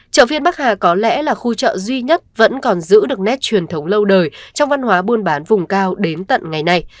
chợ phiên bắc hà có lẽ là khu chợ duy nhất vẫn còn giữ được nét truyền thống lâu đời trong văn hóa buôn bán vùng cao đến tận ngày nay